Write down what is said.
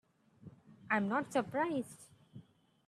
I am not surprised.